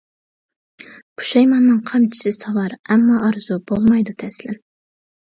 پۇشايماننىڭ قامچىسى ساۋار، ئەمما ئارزۇ بولمايدۇ تەسلىم.